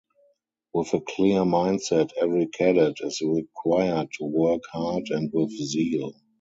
With a clear mindset every cadet is required to work hard and with zeal.